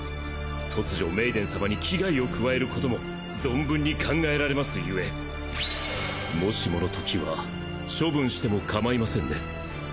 突如メイデン様に危害を加えることも存分に考えられますゆえもしものときは処分してもかまいませんね？